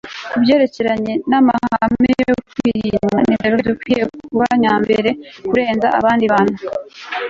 ku byerekeranye n'amahame yo kwirinda, ni twebwe dukwiriye kuba nyambere kurenza abandi bantu